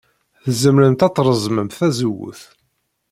Tzemremt ad treẓmemt tazewwut.